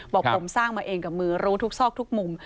บอกผมสร้างมาเองกับมือรู้ทุกซอกทุกมุม